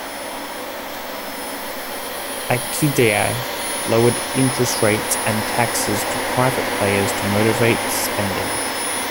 Ikeda lowered interest rates and taxes to private players to motivate spending.